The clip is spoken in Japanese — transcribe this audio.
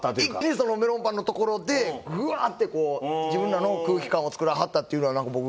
一気にメロンパンのところでグワッてこう自分らの空気感を作らはったっていうのは。